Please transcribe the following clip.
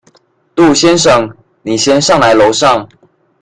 杜先生，你先上來樓上